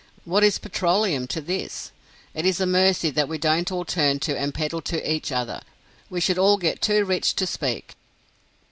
What is petroleum to this? It is a mercy that we don't all turn to and peddle to each other; we should all get too rich to speak!